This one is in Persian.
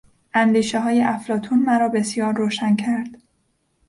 اندیشههای افلاطون مرا بسیار روشن کرد.